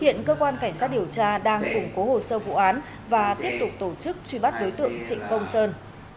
hiện cơ quan cảnh sát điều tra đang củng cố hồ sơ vụ án và tiếp tục tổ chức truy bắt đối tượng trịnh công sơn